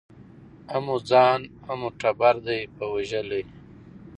هم مو ځان هم مو ټبر دی په وژلی